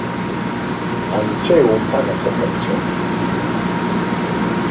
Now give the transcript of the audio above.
Анцәа иумҳәан аҵыхәа ԥҵәо.